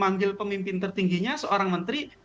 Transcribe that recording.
manggil pemimpin tertingginya seorang menteri